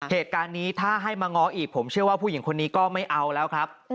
เหตุการณ์นี้ถ้าให้มาง้ออีกผมเชื่อว่าผู้หญิงคนนี้ก็ไม่เอาแล้วครับ